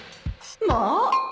まあ